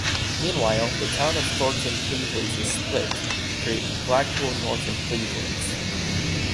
Meanwhile, the town of Thornton Cleveleys was split to create Blackpool North and Cleveleys.